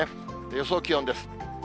予想気温です。